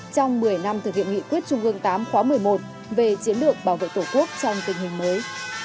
trong một mươi năm thực hiện nghị quyết trung ương viii khóa một mươi một về chiến lược bảo vệ tổ quốc trong tình hình mới